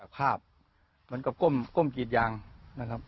ภาพเหมือนกับก้มกีดยางนะครับ